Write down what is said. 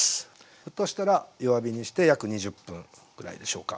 沸騰したら弱火にして約２０分ぐらいでしょうか。